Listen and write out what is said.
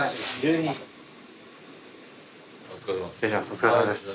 お疲れさまです。